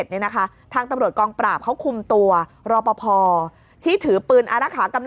เนี่ยนะคะทางตำรวจกองปราบเขาคุมตัวรอปภที่ถือปืนอารักษา